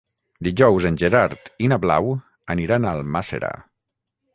Dijous en Gerard i na Blau aniran a Almàssera.